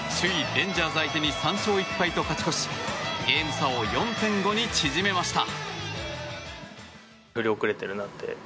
レンジャーズ相手に３勝１敗と勝ち越しゲーム差を４．５に縮めました。